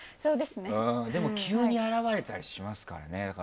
でも、急に現れたりしますからね。